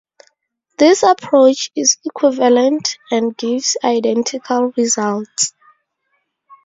This approach is equivalent and gives identical results.